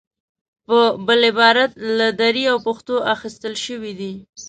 په بل عبارت له دري او پښتو اخیستل شوې دي.